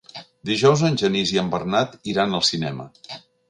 Dijous en Genís i en Bernat iran al cinema.